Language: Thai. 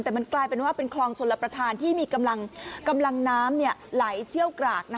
แต่มันกลายเป็นว่าเป็นคลองชลประธานที่มีกำลังน้ำไหลเชี่ยวกราก